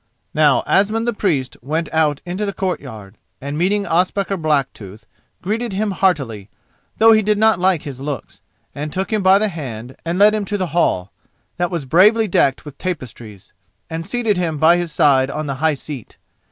Now Asmund the Priest went out into the courtyard, and meeting Ospakar Blacktooth, greeted him heartily, though he did not like his looks, and took him by the hand and led him to the hall, that was bravely decked with tapestries, and seated him by his side on the high seat.